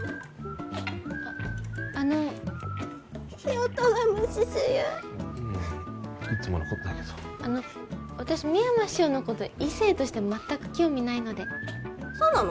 あっあの大翔が無視するいつものことだけどあの私深山師匠のこと異性として全く興味ないのでそうなの？